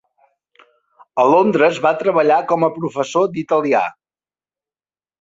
A Londres va treballar com a professor d'italià.